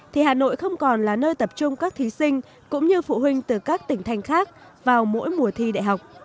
thì hà nội không còn là nơi tập trung các thí sinh cũng như phụ huynh từ các tỉnh thành khác vào mỗi mùa thi đại học